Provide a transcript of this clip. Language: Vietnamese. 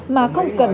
mà không cần